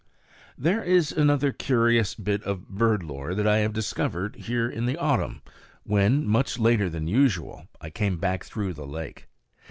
There is another curious bit of bird lore that I discovered here in the autumn, when, much later than usual, I came back through the lake.